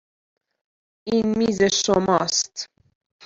این میز شماست.